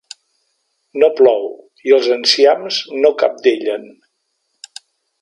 No plou i els enciams no cabdellen.